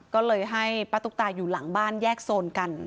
ก็เลยให้ป้าตุ๊กตาอยู่หลังบ้านแยกโซนกัน